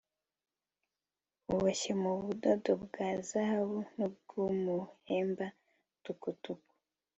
uboshye mu budodo bwa zahabu n'ubw'umuhemba tukutuku